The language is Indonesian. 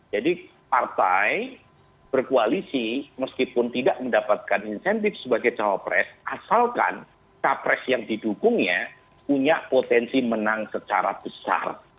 jadi partai berkoalisi meskipun tidak mendapatkan insentif sebagai cawapres asalkan cawapres yang didukungnya punya potensi menang secara besar